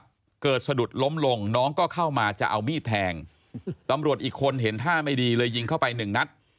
ก็เกิดสะดุดล้มลงน้องก็เข้ามาจะเอามีดแทงตำรวจอีกคนเห็นท่าไม่ดีเลยยิงเข้าไปหนึ่งนัด